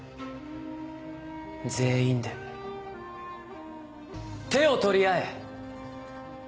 全員で手を取り合え！